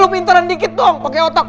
eh lu pinteran dikit dong pake otak